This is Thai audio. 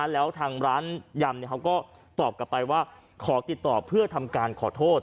แล้วทางร้านยำเขาก็ตอบกลับไปว่าขอติดต่อเพื่อทำการขอโทษ